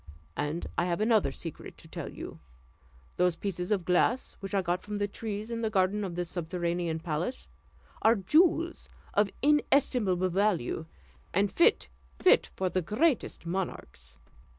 And I have another secret to tell you: those pieces of glass, which I got from the trees in the garden of the subterranean palace, are jewels of inestimable value, and fit fit for the greatest monarchs.